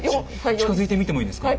近づいて見てもいいですか？